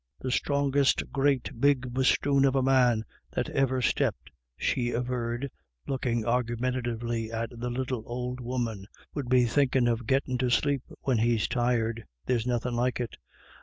The strongest great big bosthoon of a man that iver stepped," she averred, looking argumentatively at the little old woman, " will be thinkin' of gittin' to sleep when he's tired. There's nothin' like it.